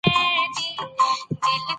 مصدر د فعل سرچینه ده.